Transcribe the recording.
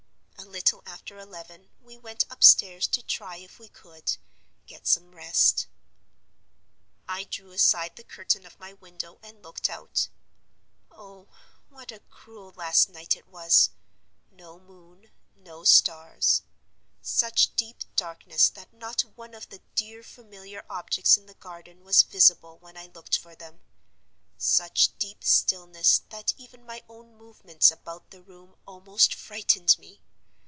"A little after eleven we went upstairs to try if we could get some rest. "I drew aside the curtain of my window and looked out. Oh, what a cruel last night it was: no moon, no stars; such deep darkness that not one of the dear familiar objects in the garden was visible when I looked for them; such deep stillness that even my own movements about the room almost frightened me!